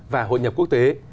và hội nhập quốc tế